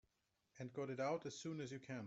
And got it out as soon as you can.